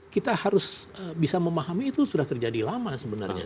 kita harus bisa memahami itu sudah terjadi lama sebenarnya